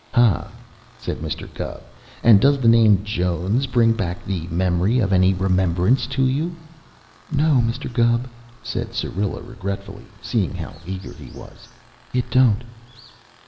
"Hah!" said Mr. Gubb. "And does the name Jones bring back the memory of any rememberance to you?" "No, Mr. Gubb," said Syrilla regretfully, seeing how eager he was. "It don't."